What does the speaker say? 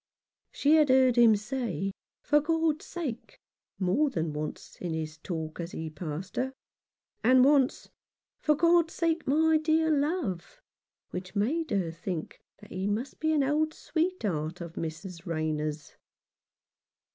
She had heard him say, "for God's sake," more than once in his talk as he passed her ; and once " for God's sake, my dear love," which made her think that he must be an old sweetheart of Mrs. Rayner' s.